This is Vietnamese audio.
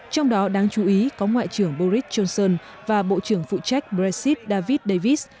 trong đó đáng chú ý có ngoại trưởng boris johnson và bộ trưởng phụ trách brexit david davis